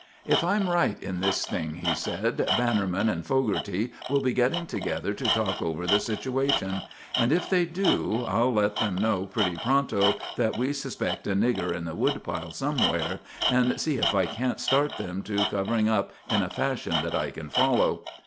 "If I'm right in this thing," he said, "Bannerman and Fogarty will be getting together to talk over the situation. And if they do I'll let them know pretty pronto that we suspect a nigger in the woodpile somewhere and see if I can't start them to covering up in a fashion that I can follow."